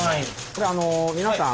これ皆さん